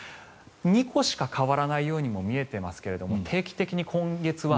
２個しか変わらないようにも見えていますが定期的に今月は。